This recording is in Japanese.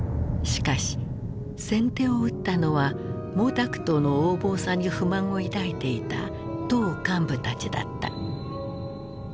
しかし先手を打ったのは毛沢東の横暴さに不満を抱いていた党幹部たちだった。